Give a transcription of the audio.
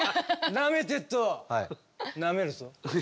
なめてっとなめるぞ。